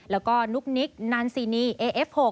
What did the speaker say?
แล้วก็นุกนิกนานซีนีเอฟ๖